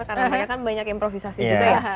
karena mereka kan banyak improvisasi juga ya